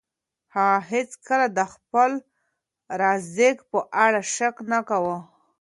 هغه هیڅکله د خپل رزق په اړه شک نه کاوه.